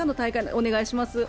お願いします。